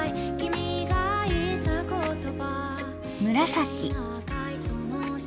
紫。